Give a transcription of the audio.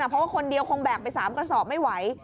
เพราะว่าคนเดียวคงแบกไป๓กระสอบไม่ไหว